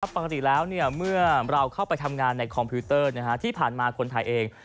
ปกติแล้วเมื่อเราเข้าไปทำงานในคอมพิวเตอร์ที่ผ่านมาคนไทยเอง